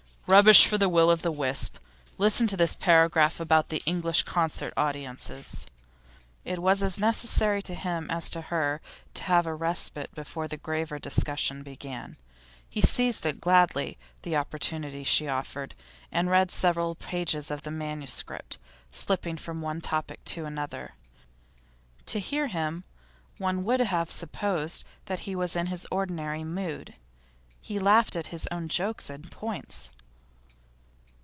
'Rubbish for the Will o' the Wisp. Listen to this paragraph about English concert audiences.' It was as necessary to him as to her to have a respite before the graver discussion began. He seized gladly the opportunity she offered, and read several pages of manuscript, slipping from one topic to another. To hear him one would have supposed that he was in his ordinary mood; he laughed at his own jokes and points.